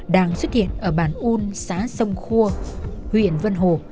đang xuất hiện ở bản un xã sông khua huyện vân hồ